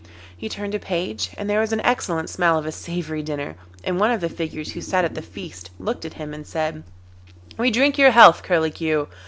He turned a page, and there was an excellent smell of a savoury dinner, and one of the figures who sat at the feast looked at him and said: 'We drink your health, Curlicue.